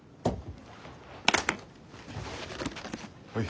はい。